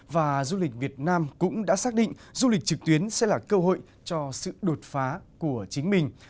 và du lịch việt nam cũng đã xác định du lịch trực tuyến sẽ là cơ hội cho sự đột phá của chính mình